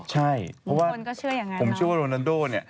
ใช่เพราะว่าผมเชื่อว่าโรนันโดนี่